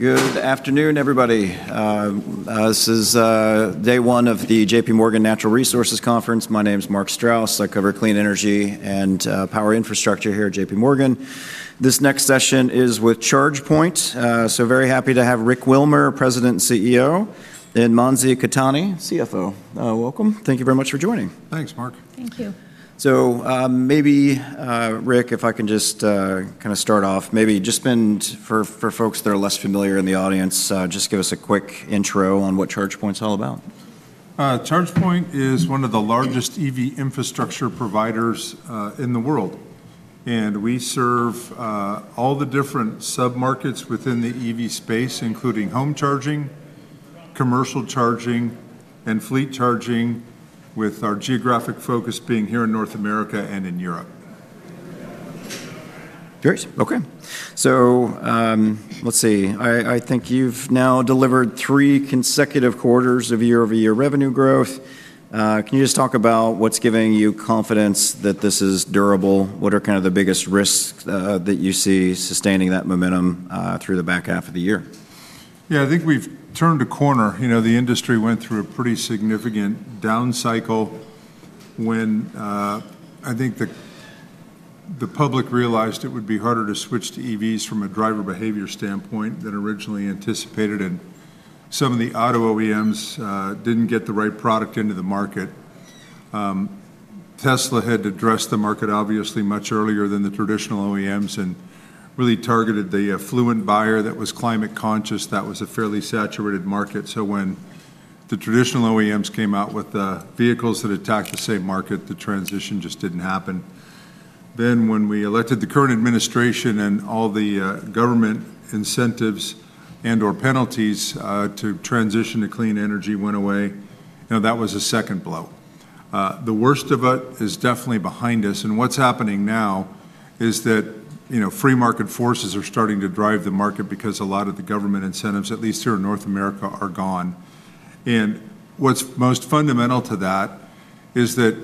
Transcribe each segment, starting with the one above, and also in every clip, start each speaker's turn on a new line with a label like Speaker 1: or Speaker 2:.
Speaker 1: Good afternoon, everybody. This is day one of the JPMorgan Natural Resources Conference. My name's Mark Strouse. I cover clean energy and power infrastructure here at JPMorgan. This next session is with ChargePoint. Very happy to have Rick Wilmer, President and CEO, and Mansi Khetani, CFO. Welcome. Thank you very much for joining.
Speaker 2: Thanks, Mark.
Speaker 3: Thank you.
Speaker 1: Maybe, Rick, if I can just start off. Maybe just for folks that are less familiar in the audience, just give us a quick intro on what ChargePoint's all about.
Speaker 2: ChargePoint is one of the largest EV infrastructure providers in the world. We serve all the different sub-markets within the EV space, including home charging, commercial charging, and fleet charging, with our geographic focus being here in North America and in Europe.
Speaker 1: Very nice. Okay. Let's see. I think you've now delivered three consecutive quarters of year-over-year revenue growth. Can you just talk about what's giving you confidence that this is durable? What are the biggest risks that you see sustaining that momentum through the back half of the year?
Speaker 2: Yeah. I think we've turned a corner. The industry went through a pretty significant down cycle when I think the public realized it would be harder to switch to EVs from a driver behavior standpoint than originally anticipated, and some of the auto OEMs didn't get the right product into the market. Tesla had addressed the market, obviously, much earlier than the traditional OEMs and really targeted the affluent buyer that was climate conscious. That was a fairly saturated market, so when the traditional OEMs came out with the vehicles that attacked the same market, the transition just didn't happen. When we elected the current administration and all the government incentives and/or penalties to transition to clean energy went away, that was a second blow. The worst of it is definitely behind us, and what's happening now is that free market forces are starting to drive the market because a lot of the government incentives, at least here in North America, are gone. What's most fundamental to that is that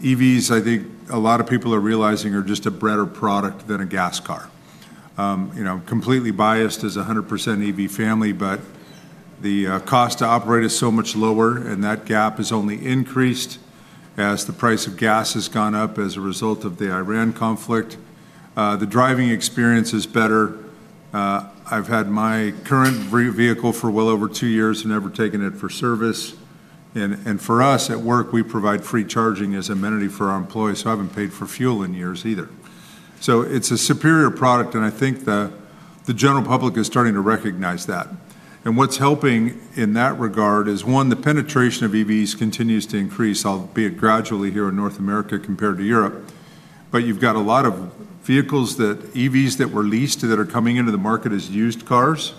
Speaker 2: EVs, I think a lot of people are realizing, are just a better product than a gas car. Completely biased as 100% EV family, but the cost to operate is so much lower, and that gap has only increased as the price of gas has gone up as a result of the Iran conflict. The driving experience is better. I've had my current vehicle for well over two years and never taken it for service. For us at work, we provide free charging as amenity for our employees, so I haven't paid for fuel in years either. It's a superior product, I think the general public is starting to recognize that. What's helping in that regard is, one, the penetration of EVs continues to increase, albeit gradually here in North America compared to Europe. You've got a lot of EVs that were leased that are coming into the market as used cars.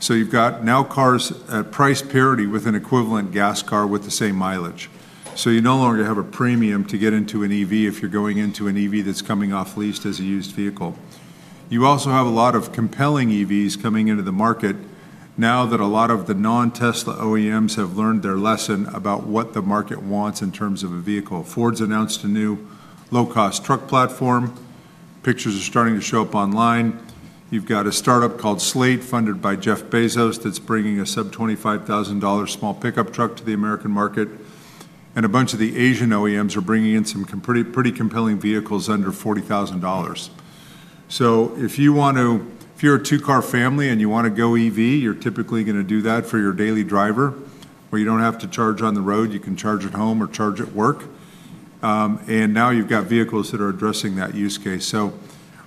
Speaker 2: You've got now cars at price parity with an equivalent gas car with the same mileage. You no longer have a premium to get into an EV if you're going into an EV that's coming off lease as a used vehicle. You also have a lot of compelling EVs coming into the market now that a lot of the non-Tesla OEMs have learned their lesson about what the market wants in terms of a vehicle. Ford's announced a new low-cost truck platform. Pictures are starting to show up online. You've got a startup called Slate, funded by Jeff Bezos, that's bringing a sub-$25,000 small pickup truck to the American market. A bunch of the Asian OEMs are bringing in some pretty compelling vehicles under $40,000. If you're a two-car family and you want to go EV, you're typically going to do that for your daily driver, where you don't have to charge on the road. You can charge at home or charge at work. Now you've got vehicles that are addressing that use case.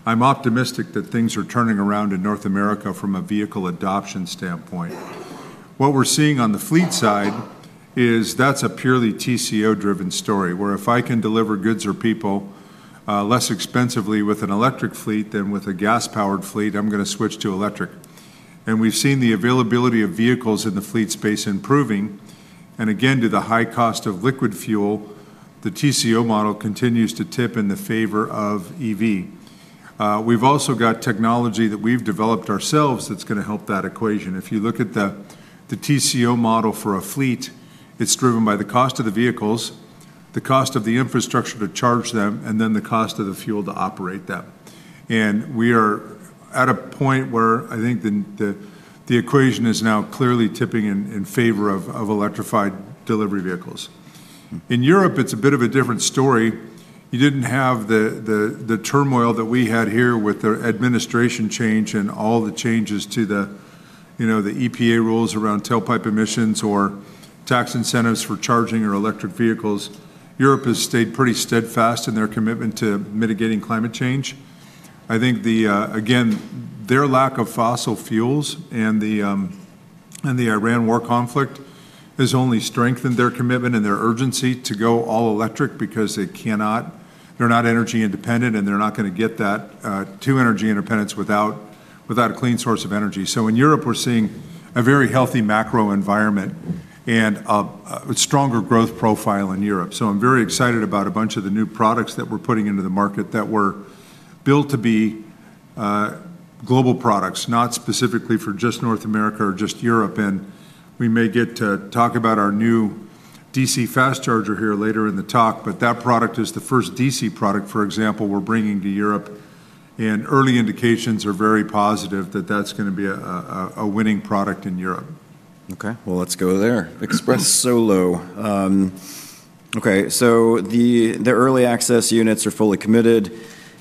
Speaker 2: I'm optimistic that things are turning around in North America from a vehicle adoption standpoint. What we're seeing on the fleet side is that's a purely TCO-driven story, where if I can deliver goods or people less expensively with an electric fleet than with a gas-powered fleet, I'm going to switch to electric. We've seen the availability of vehicles in the fleet space improving. Again, to the high cost of liquid fuel, the TCO model continues to tip in the favor of EV. We've also got technology that we've developed ourselves that's going to help that equation. If you look at the TCO model for a fleet, it's driven by the cost of the vehicles, the cost of the infrastructure to charge them, the cost of the fuel to operate them. We are at a point where I think the equation is now clearly tipping in favor of electrified delivery vehicles. In Europe, it's a bit of a different story. You didn't have the turmoil that we had here with the administration change and all the changes to the EPA rules around tailpipe emissions or tax incentives for charging our electric vehicles. Europe has stayed pretty steadfast in their commitment to mitigating climate change. I think, again, their lack of fossil fuels and the Iran war conflict has only strengthened their commitment and their urgency to go all electric because they're not energy independent, and they're not going to get that, to energy independence, without a clean source of energy. In Europe, we're seeing a very healthy macro environment and a stronger growth profile in Europe. I'm very excited about a bunch of the new products that we're putting into the market that were built to be global products, not specifically for just North America or just Europe. We may get to talk about our new DC fast charger here later in the talk, but that product is the first DC product, for example, we're bringing to Europe. Early indications are very positive that that's going to be a winning product in Europe.
Speaker 1: Let's go there. Express Solo. The early access units are fully committed.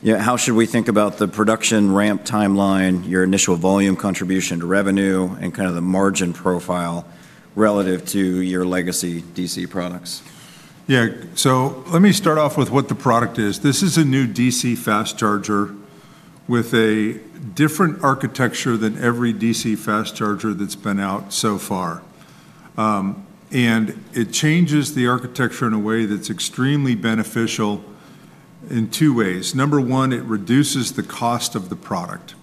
Speaker 1: How should we think about the production ramp timeline, your initial volume contribution to revenue, and the margin profile relative to your legacy DC products?
Speaker 2: Let me start off with what the product is. This is a new DC fast charger with a different architecture than every DC fast charger that's been out so far. It changes the architecture in a way that's extremely beneficial in two ways. Number one, it reduces the cost of the product.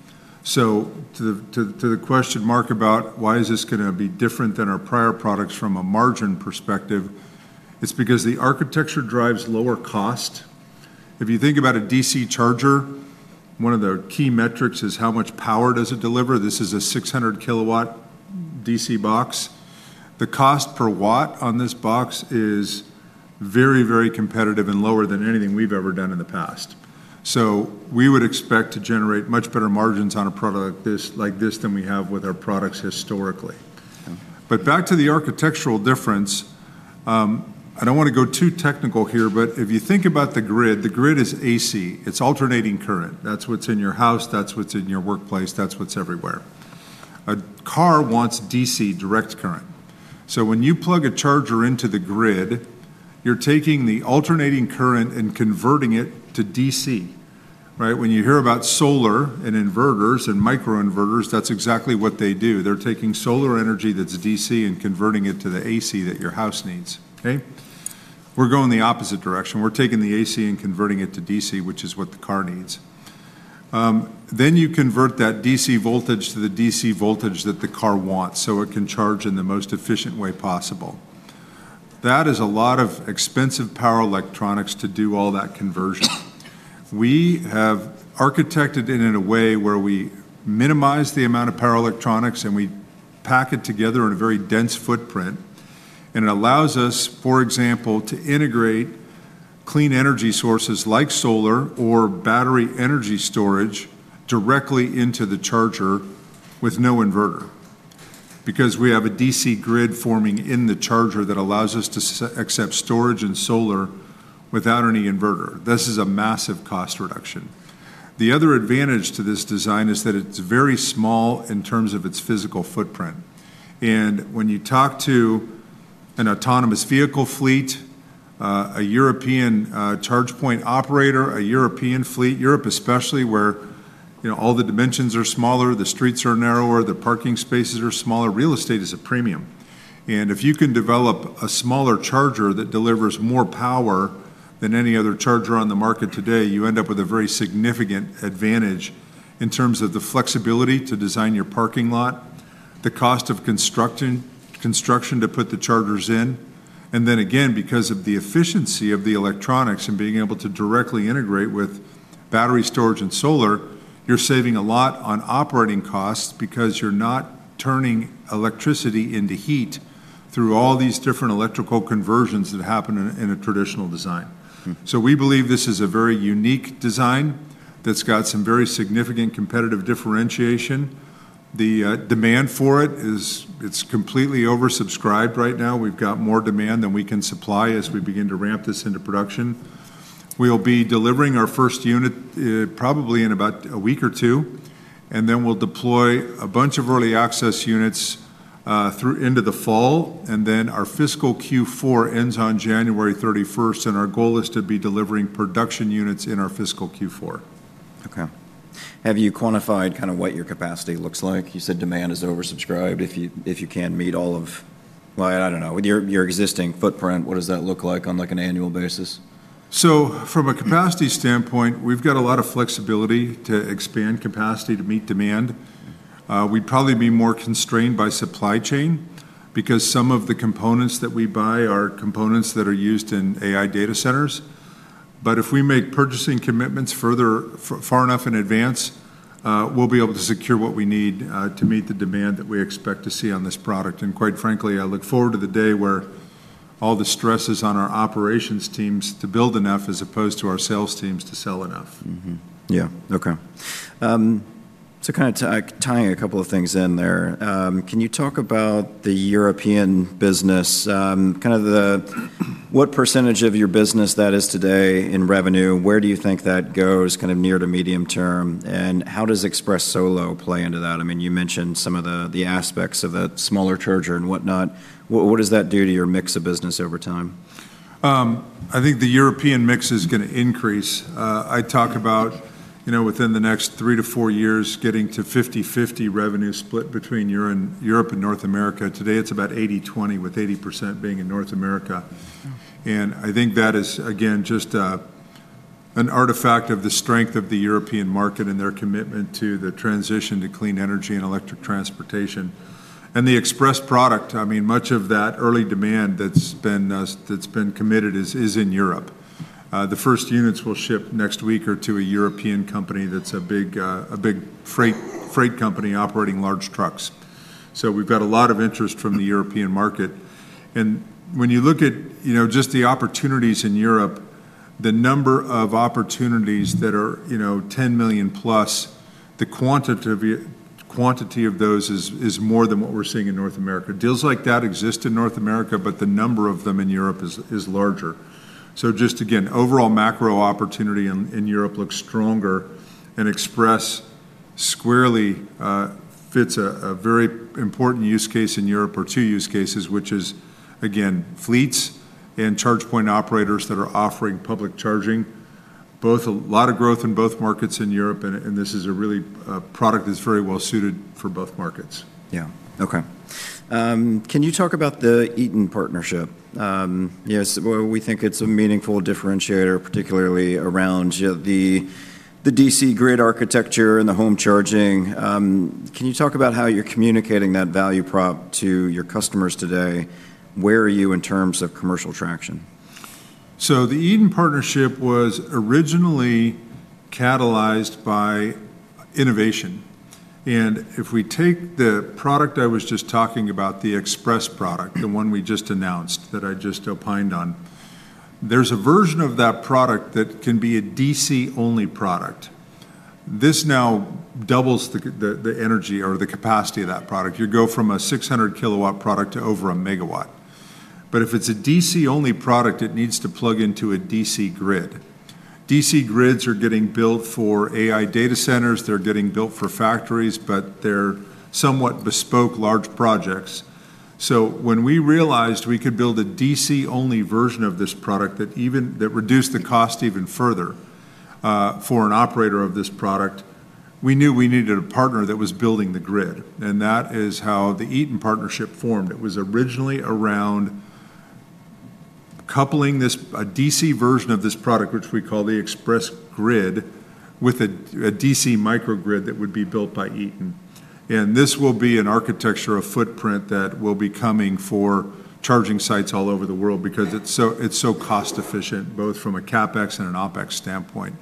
Speaker 2: To the question mark about why is this going to be different than our prior products from a margin perspective, it's because the architecture drives lower cost. If you think about a DC charger, one of the key metrics is how much power does it deliver. This is a 600 kW DC box. The cost per watt on this box is very, very competitive and lower than anything we've ever done in the past. We would expect to generate much better margins on a product like this than we have with our products historically.
Speaker 1: Okay.
Speaker 2: Back to the architectural difference. I don't want to go too technical here, but if you think about the grid, the grid is AC. It's alternating current. That's what's in your house, that's what's in your workplace, that's what's everywhere. A car wants DC, direct current. When you plug a charger into the grid, you're taking the alternating current and converting it to DC, right? When you hear about solar and inverters and micro inverters, that's exactly what they do. They're taking solar energy that's DC and converting it to the AC that your house needs. We're going the opposite direction. We're taking the AC and converting it to DC, which is what the car needs. You convert that DC voltage to the DC voltage that the car wants so it can charge in the most efficient way possible. That is a lot of expensive power electronics to do all that conversion. We have architected it in a way where we minimize the amount of power electronics, and we pack it together in a very dense footprint, and it allows us, for example, to integrate clean energy sources like solar or battery energy storage directly into the charger with no inverter because we have a DC grid forming in the charger that allows us to accept storage and solar without any inverter. This is a massive cost reduction. The other advantage to this design is that it's very small in terms of its physical footprint. When you talk to an autonomous vehicle fleet, a European ChargePoint operator, a European fleet, Europe especially where all the dimensions are smaller, the streets are narrower, the parking spaces are smaller, real estate is a premium. If you can develop a smaller charger that delivers more power than any other charger on the market today, you end up with a very significant advantage in terms of the flexibility to design your parking lot, the cost of construction to put the chargers in. Then again, because of the efficiency of the electronics and being able to directly integrate with battery storage and solar, you're saving a lot on operating costs because you're not turning electricity into heat through all these different electrical conversions that happen in a traditional design. We believe this is a very unique design that's got some very significant competitive differentiation. The demand for it is completely oversubscribed right now. We've got more demand than we can supply as we begin to ramp this into production. We'll be delivering our first unit probably in about a week or two, then we'll deploy a bunch of early access units into the fall. Our fiscal Q4 ends on January 31st, and our goal is to be delivering production units in our fiscal Q4.
Speaker 1: Okay. Have you quantified what your capacity looks like? You said demand is oversubscribed. If you can't meet all of, with your existing footprint, what does that look like on an annual basis?
Speaker 2: From a capacity standpoint, we've got a lot of flexibility to expand capacity to meet demand. We'd probably be more constrained by supply chain because some of the components that we buy are components that are used in AI data centers. If we make purchasing commitments far enough in advance, we'll be able to secure what we need to meet the demand that we expect to see on this product. Quite frankly, I look forward to the day where all the stress is on our operations teams to build enough as opposed to our sales teams to sell enough.
Speaker 1: Mm-hmm. Yeah. Okay. Kind of tying a couple of things in there. Can you talk about the European business? What percentage of your business that is today in revenue? Where do you think that goes near to medium term? How does Express Solo play into that? You mentioned some of the aspects of that smaller charger and whatnot. What does that do to your mix of business over time?
Speaker 2: I think the European mix is going to increase. I talk about within the next three to four years getting to 50/50 revenue split between Europe and North America. Today it's about 80/20, with 80% being in North America. I think that is, again, just an artifact of the strength of the European market and their commitment to the transition to clean energy and electric transportation. The Express product, much of that early demand that's been committed is in Europe. The first units will ship next week or to a European company that's a big freight company operating large trucks. We've got a lot of interest from the European market. When you look at just the opportunities in Europe, the number of opportunities that are $10 million+, the quantity of those is more than what we're seeing in North America. Deals like that exist in North America, the number of them in Europe is larger. Just again, overall macro opportunity in Europe looks stronger, Express squarely fits a very important use case in Europe or two use cases, which is, again, fleets and ChargePoint operators that are offering public charging. A lot of growth in both markets in Europe, this is a product that's very well-suited for both markets.
Speaker 1: Can you talk about the Eaton partnership? Yes, we think it's a meaningful differentiator, particularly around the DC grid architecture and the home charging. Can you talk about how you're communicating that value prop to your customers today? Where are you in terms of commercial traction?
Speaker 2: The Eaton partnership was originally catalyzed by innovation. If we take the product I was just talking about, the Express product, the one we just announced that I just opined on, there's a version of that product that can be a DC-only product. This now doubles the energy or the capacity of that product. You go from a 600 kW product to over a megawatt. If it's a DC-only product, it needs to plug into a DC grid. DC grids are getting built for AI data centers. They're getting built for factories, but they're somewhat bespoke large projects. When we realized we could build a DC-only version of this product that reduced the cost even further for an operator of this product, we knew we needed a partner that was building the grid. That is how the Eaton partnership formed. It was originally around coupling a DC version of this product, which we call the Express Grid, with a DC microgrid that would be built by Eaton. This will be an architecture, a footprint that will be coming for charging sites all over the world because it's so cost-efficient, both from a CapEx and an OpEx standpoint.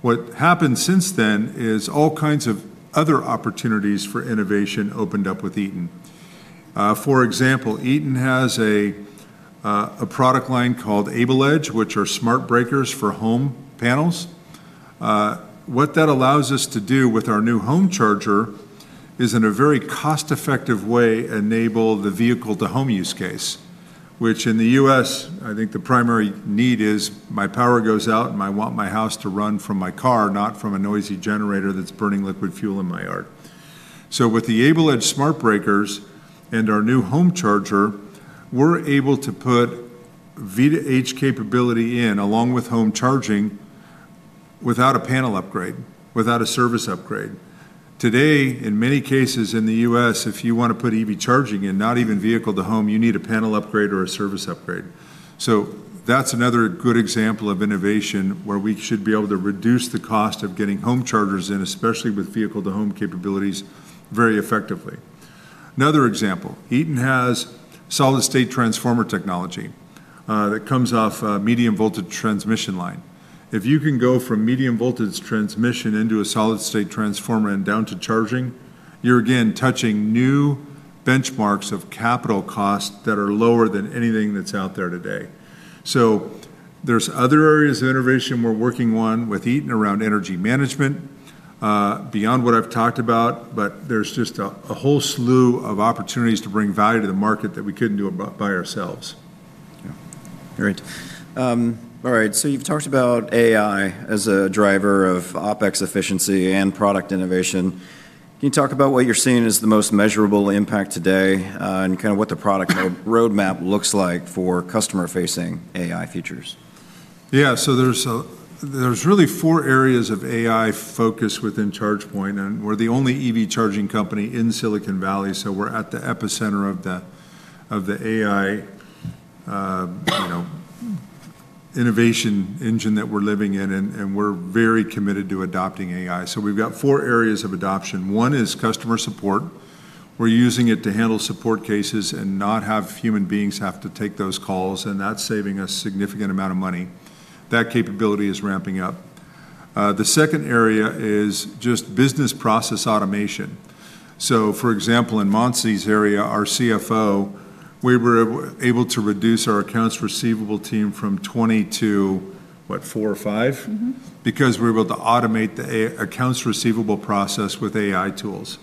Speaker 2: What happened since then is all kinds of other opportunities for innovation opened up with Eaton. For example, Eaton has a product line called AbleEdge, which are smart breakers for home panels. What that allows us to do with our new home charger is in a very cost-effective way enable the vehicle-to-home use case. Which in the U.S., I think the primary need is my power goes out and I want my house to run from my car, not from a noisy generator that's burning liquid fuel in my yard. With the AbleEdge smart breakers and our new home charger, we're able to put V2H capability in along with home charging without a panel upgrade, without a service upgrade. Today, in many cases in the U.S., if you want to put EV charging in, not even vehicle to home, you need a panel upgrade or a service upgrade. That's another good example of innovation where we should be able to reduce the cost of getting home chargers in, especially with vehicle-to-home capabilities, very effectively. Another example, Eaton has solid-state transformer technology that comes off a medium-voltage transmission line. If you can go from medium-voltage transmission into a solid-state transformer and down to charging, you're again touching new benchmarks of capital costs that are lower than anything that's out there today. There's other areas of innovation we're working on with Eaton around energy management beyond what I've talked about. There's just a whole slew of opportunities to bring value to the market that we couldn't do by ourselves.
Speaker 1: Yeah. Great. All right. You've talked about AI as a driver of OpEx efficiency and product innovation. Can you talk about what you're seeing as the most measurable impact today and what the product road map looks like for customer-facing AI features?
Speaker 2: Yeah. There's really four areas of AI focus within ChargePoint, and we're the only EV charging company in Silicon Valley, so we're at the epicenter of the AI innovation engine that we're living in, and we're very committed to adopting AI. We've got four areas of adoption. One is customer support. We're using it to handle support cases and not have human beings have to take those calls, and that's saving us a significant amount of money. That capability is ramping up. The second area is just business process automation. For example, in Mansi's area, our CFO, we were able to reduce our accounts receivable team from 20 to what, four or five? Because we were able to automate the accounts receivable process with AI tools.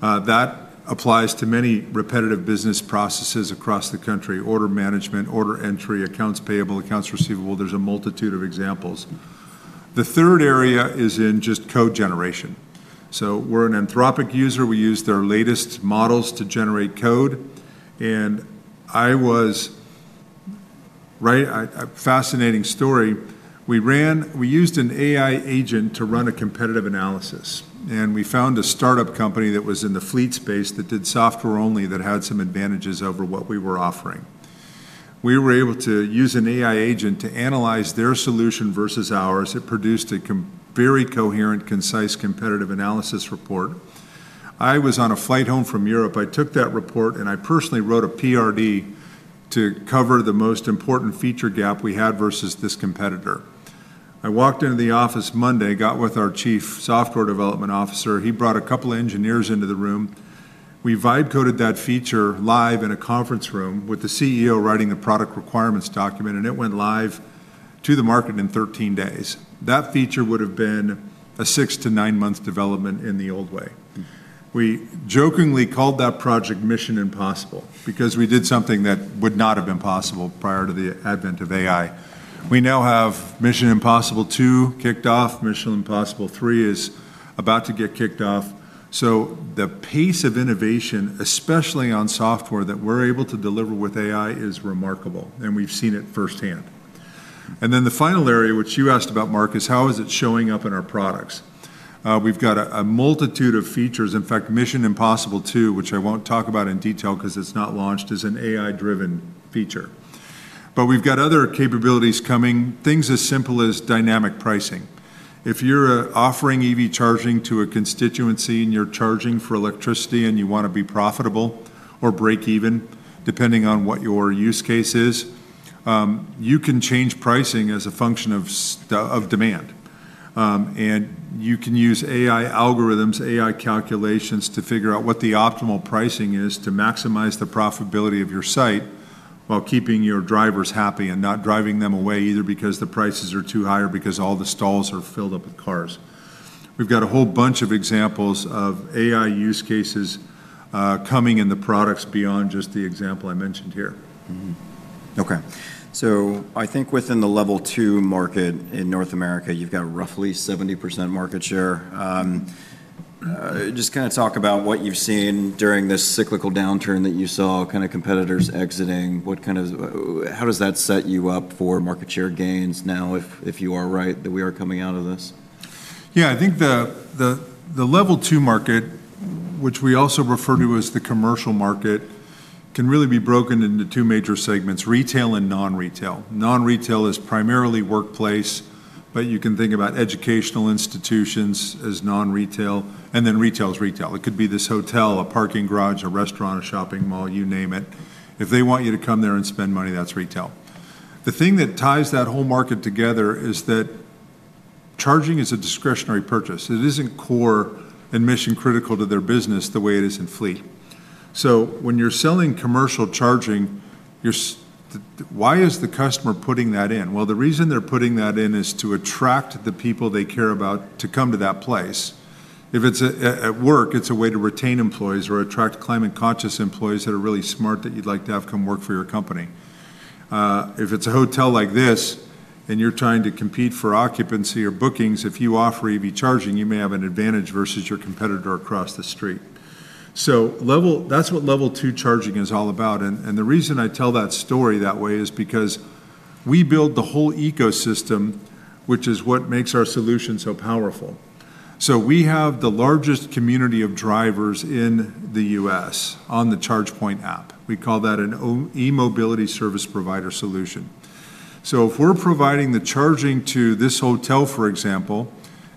Speaker 2: That applies to many repetitive business processes across the country. Order management, order entry, accounts payable, accounts receivable. There's a multitude of examples. The third area is in just code generation. We're an Anthropic user. We use their latest models to generate code. A fascinating story. We used an AI agent to run a competitive analysis, and we found a startup company that was in the fleet space that did software only that had some advantages over what we were offering. We were able to use an AI agent to analyze their solution versus ours. It produced a very coherent, concise competitive analysis report. I was on a flight home from Europe. I took that report and I personally wrote a PRD to cover the most important feature gap we had versus this competitor. I walked into the office Monday, got with our Chief Software Development Officer. He brought a couple engineers into the room. We vibe coded that feature live in a conference room with the CEO writing a product requirements document, and it went live to the market in 13 days. That feature would've been a six to nine-month development in the old way. We jokingly called that project Mission Impossible because we did something that would not have been possible prior to the advent of AI. We now have Mission Impossible two kicked off. Mission Impossible three is about to get kicked off. The pace of innovation, especially on software that we're able to deliver with AI, is remarkable, and we've seen it firsthand. The final area, which you asked about, Mark, is how is it showing up in our products? We've got a multitude of features. In fact, Mission Impossible two, which I won't talk about in detail because it's not launched, is an AI-driven feature. We've got other capabilities coming, things as simple as dynamic pricing. If you're offering EV charging to a constituency and you're charging for electricity and you want to be profitable or break even, depending on what your use case is, you can change pricing as a function of demand. You can use AI algorithms, AI calculations to figure out what the optimal pricing is to maximize the profitability of your site while keeping your drivers happy and not driving them away, either because the prices are too high or because all the stalls are filled up with cars. We've got a whole bunch of examples of AI use cases coming in the products beyond just the example I mentioned here.
Speaker 1: Okay. I think within the Level 2 market in North America, you've got roughly 70% market share. Just talk about what you've seen during this cyclical downturn that you saw competitors exiting. How does that set you up for market share gains now if you are right that we are coming out of this?
Speaker 2: Yeah. I think the Level 2 market, which we also refer to as the commercial market, can really be broken into two major segments, retail and non-retail. Non-retail is primarily workplace, but you can think about educational institutions as non-retail, and then retail is retail. It could be this hotel, a parking garage, a restaurant, a shopping mall, you name it. If they want you to come there and spend money, that's retail. The thing that ties that whole market together is that charging is a discretionary purchase. It isn't core and mission-critical to their business the way it is in fleet. When you're selling commercial charging, why is the customer putting that in? Well, the reason they're putting that in is to attract the people they care about to come to that place. If it's at work, it's a way to retain employees or attract climate-conscious employees that are really smart that you'd like to have come work for your company. If it's a hotel like this and you're trying to compete for occupancy or bookings, if you offer EV charging, you may have an advantage versus your competitor across the street. That's what Level 2 charging is all about. The reason I tell that story that way is because we build the whole ecosystem, which is what makes our solution so powerful. We have the largest community of drivers in the U.S. on the ChargePoint app. We call that an e-mobility service provider solution. If we're providing the charging to this hotel, for example,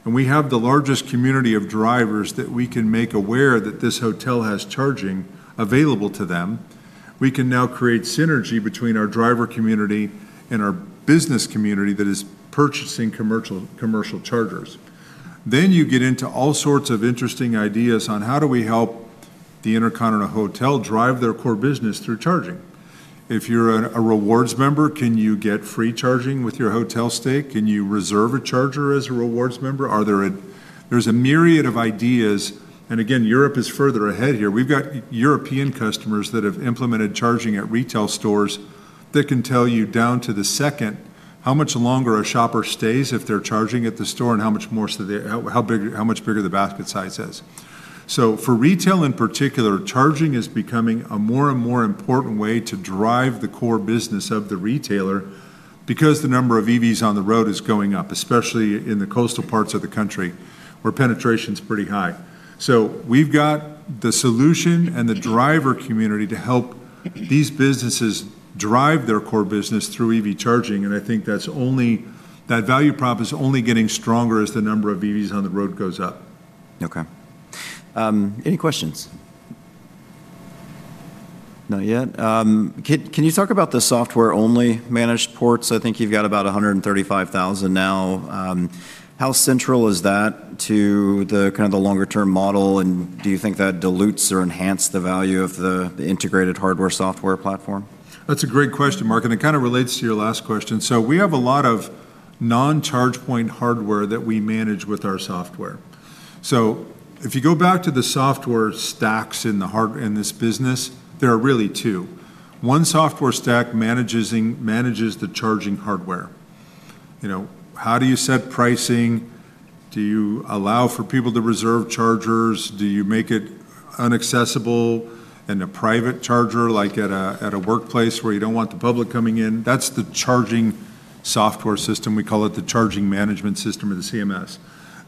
Speaker 2: and we have the largest community of drivers that we can make aware that this hotel has charging available to them, we can now create synergy between our driver community and our business community that is purchasing commercial chargers. You get into all sorts of interesting ideas on how do we help the InterContinental Hotels drive their core business through charging. If you're a rewards member, can you get free charging with your hotel stay? Can you reserve a charger as a rewards member? There's a myriad of ideas, and again, Europe is further ahead here. We've got European customers that have implemented charging at retail stores that can tell you down to the second how much longer a shopper stays if they're charging at the store and how much bigger the basket size is. For retail in particular, charging is becoming a more and more important way to drive the core business of the retailer because the number of EVs on the road is going up, especially in the coastal parts of the country where penetration's pretty high. We've got the solution and the driver community to help these businesses drive their core business through EV charging, and I think that value prop is only getting stronger as the number of EVs on the road goes up.
Speaker 1: Okay. Any questions? Not yet. Can you talk about the software-only managed ports? I think you've got about 135,000 now. How central is that to the longer-term model, and do you think that dilutes or enhance the value of the integrated hardware-software platform?
Speaker 2: That's a great question, Mark, and it relates to your last question. We have a lot of non-ChargePoint hardware that we manage with our software. If you go back to the software stacks in this business, there are really two. One software stack manages the charging hardware. How do you set pricing? Do you allow for people to reserve chargers? Do you make it inaccessible and a private charger, like at a workplace where you don't want the public coming in? That's the charging software system. We call it the Charging Management System or the CMS.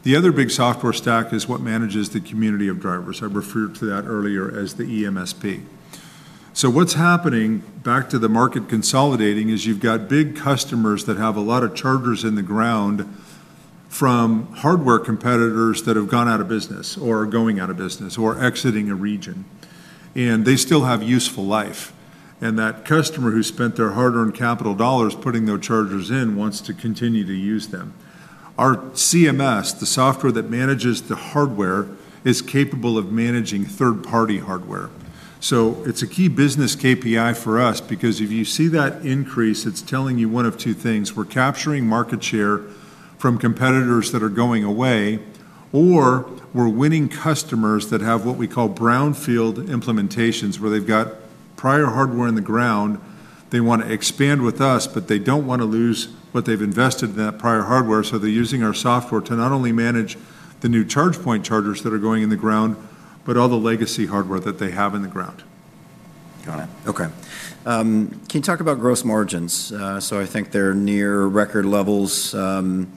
Speaker 2: The other big software stack is what manages the community of drivers. I referred to that earlier as the EMSP. What's happening, back to the market consolidating, is you've got big customers that have a lot of chargers in the ground from hardware competitors that have gone out of business, or are going out of business, or exiting a region. They still have useful life, and that customer who spent their hard-earned capital dollars putting their chargers in wants to continue to use them. Our CMS, the software that manages the hardware, is capable of managing third-party hardware. It's a key business KPI for us because if you see that increase, it's telling you one of two things. We're capturing market share from competitors that are going away, or we're winning customers that have what we call brownfield implementations, where they've got prior hardware in the ground, they want to expand with us, but they don't want to lose what they've invested in that prior hardware. They're using our software to not only manage the new ChargePoint chargers that are going in the ground, but all the legacy hardware that they have in the ground.
Speaker 1: Got it. Okay. Can you talk about gross margins? I think they're near record levels. Can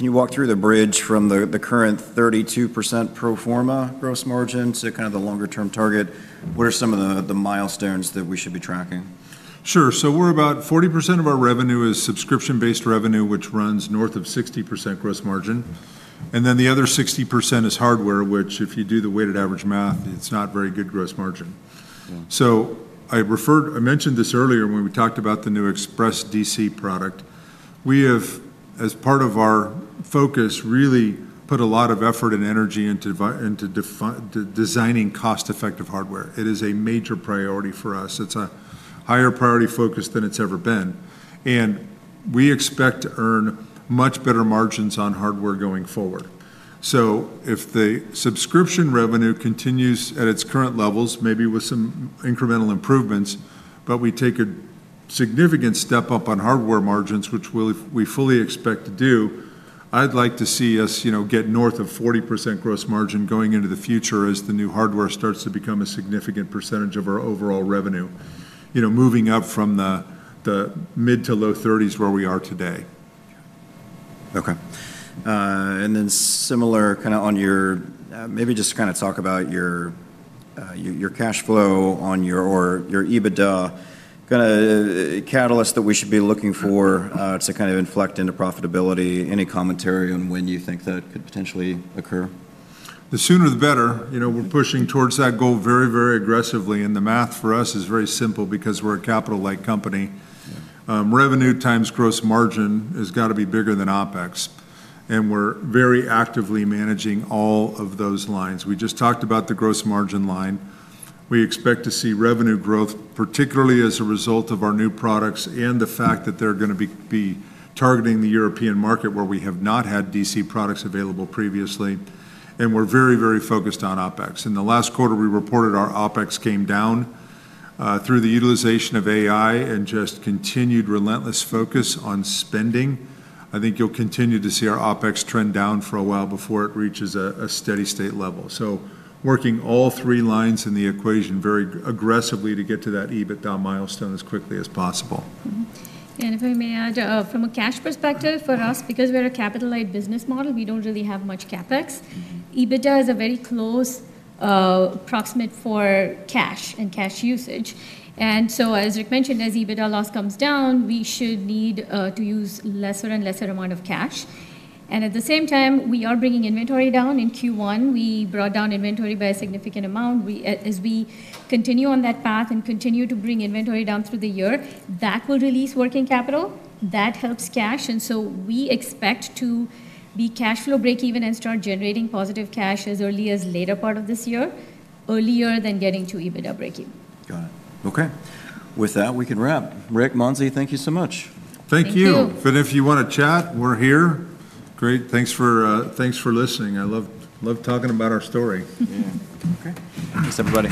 Speaker 1: you walk through the bridge from the current 32% pro forma gross margin to kind of the longer-term target? What are some of the milestones that we should be tracking?
Speaker 2: Sure. About 40% of our revenue is subscription-based revenue, which runs north of 60% gross margin. The other 60% is hardware, which if you do the weighted average math, it's not very good gross margin.
Speaker 1: Yeah.
Speaker 2: I mentioned this earlier when we talked about the new Express DC product. We have, as part of our focus, really put a lot of effort and energy into designing cost-effective hardware. It is a major priority for us. It's a higher priority focus than it's ever been, and we expect to earn much better margins on hardware going forward. If the subscription revenue continues at its current levels, maybe with some incremental improvements, but we take a significant step up on hardware margins, which we fully expect to do, I'd like to see us get north of 40% gross margin going into the future as the new hardware starts to become a significant percentage of our overall revenue. Moving up from the mid to low 30%s where we are today.
Speaker 1: Okay. Similar, maybe just talk about your cash flow or your EBITDA. A catalyst that we should be looking for to inflect into profitability. Any commentary on when you think that could potentially occur?
Speaker 2: The sooner the better. We're pushing towards that goal very, very aggressively. The math for us is very simple because we're a capital-light company.
Speaker 1: Yeah.
Speaker 2: Revenue times gross margin has got to be bigger than OpEx. We're very actively managing all of those lines. We just talked about the gross margin line. We expect to see revenue growth, particularly as a result of our new products and the fact that they're going to be targeting the European market where we have not had DC products available previously. We're very, very focused on OpEx. In the last quarter, we reported our OpEx came down through the utilization of AI and just continued relentless focus on spending. I think you'll continue to see our OpEx trend down for a while before it reaches a steady state level. Working all three lines in the equation very aggressively to get to that EBITDA milestone as quickly as possible.
Speaker 3: If I may add, from a cash perspective, for us, because we're a capital-light business model, we don't really have much CapEx. EBITDA is a very close approximate for cash and cash usage. As Rick mentioned, as EBITDA loss comes down, we should need to use lesser and lesser amount of cash. At the same time, we are bringing inventory down. In Q1, we brought down inventory by a significant amount. As we continue on that path and continue to bring inventory down through the year, that will release working capital. That helps cash. We expect to be cash flow breakeven and start generating positive cash as early as later part of this year, earlier than getting to EBITDA breakeven.
Speaker 1: Got it. Okay. With that, we can wrap. Rick, Mansi, thank you so much.
Speaker 2: Thank you.
Speaker 3: Thank you.
Speaker 2: If you want to chat, we're here. Great. Thanks for listening. I love talking about our story.
Speaker 1: Yeah. Okay. Thanks, everybody.